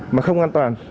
mà không an toàn